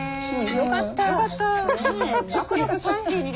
よかった！